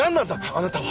あなたは